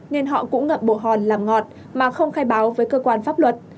nên họ cũng ngậm bộ hòn làm ngọt mà không khai báo với cơ quan pháp luật